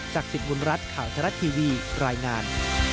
สิทธิ์บุญรัฐข่าวทรัฐทีวีรายงาน